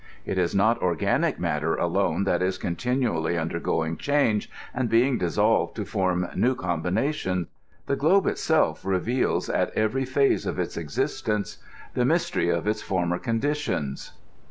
It is not organic matter alone that is continually un dergoing change, and being dissolved to fgrm new combina tions. The globe itself reveals at every phase of its existence e mystery of its former conditions.